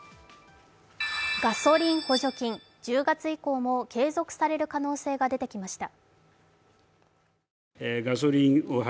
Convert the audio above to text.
ガソリン補助金１０月以降も継続される可能性が出てきました。